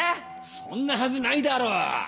そんなはずないだろ。